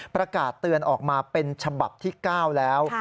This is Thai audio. ประกาศเตือนออกมาเป็นฉบับที่๙แล้ว